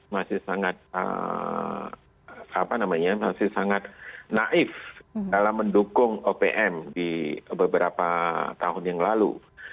masih sangat naif dalam mendukung opm di beberapa tahun yang lalu